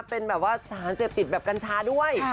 เป็นสถานเสียบติตแบบกัญชาด้วย